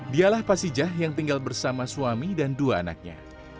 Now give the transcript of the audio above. dialah pasijah yang tinggal bersama suami dan dua anaknya